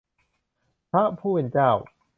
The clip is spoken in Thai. พระผู้เป็นเจ้า